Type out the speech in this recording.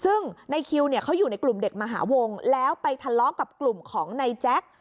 ซึ่งในคิวเนี่ยเขาอยู่ในกลุ่มเด็กมหาวงแล้วไปทะเลาะกับกลุ่มของนายแจ๊ค